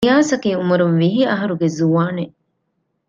ނިޔާސަކީ އުމުރުން ވިހި އަހަރުގެ ޒުވާނެއް